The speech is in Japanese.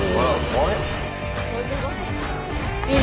あれ？